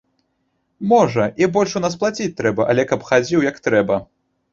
Можа, і больш у нас плаціць трэба, але каб хадзіў, як трэба!